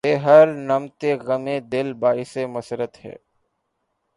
بہ ہر نمط غمِ دل باعثِ مسرت ہے